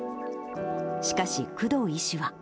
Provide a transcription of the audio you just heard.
しかし、工藤医師は。